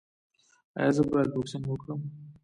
ایا زه باید بوکسینګ وکړم؟